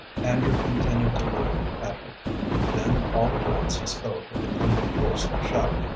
Andrew continued to look at her, then all at once he spoke with a kind of hoarse shout.